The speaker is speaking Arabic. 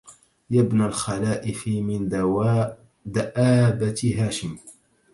يا ابن الخلائف من ذؤابة هاشم